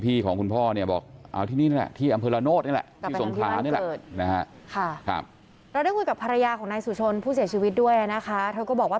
พี่ของคุณพ่อบอกที่นี่นั่นแหละที่อำเภอราโน้ตนี่แหละ